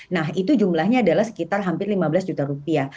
nah itu jumlahnya adalah sekitar hampir lima belas juta rupiah